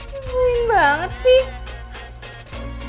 ini garing banget sih